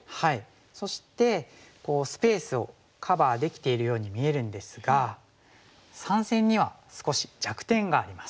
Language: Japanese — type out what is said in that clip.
そしてスペースをカバーできているように見えるんですが３線には少し弱点があります。